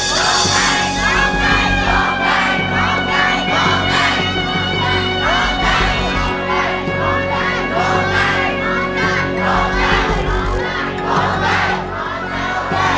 ร้องได้ร้องได้ร้องได้ร้องได้ร้องได้